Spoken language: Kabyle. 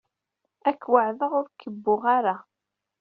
Ad k-weɛdeɣ ur k-kebbuɣ ara.